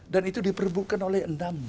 dan itu diperbukakan oleh enam belas